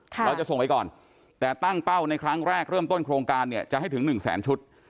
เราจะส่งไปก่อนแต่ตั้งเป้าในครั้งแรกเริ่มต้นโครงการเนี่ยจะให้ถึง๑แสนชุด